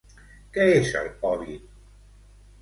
Què és el hòbbit?